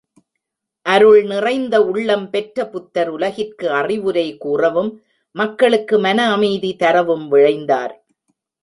அருள் நிறைந்த உள்ளம் பெற்ற புத்தர் உலகிற்கு அறிவுரை கூறவும் மக்களுக்கு மனஅமைதி தரவும் விழைந்தார்.